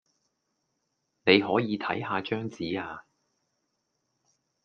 你可以睇吓張紙呀